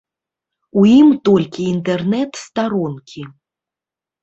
У ім толькі інтэрнэт-старонкі.